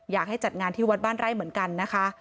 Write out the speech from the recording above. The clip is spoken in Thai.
อยากให้จัดงานที่วัดบ้านไร่เหมือนกันนะคะ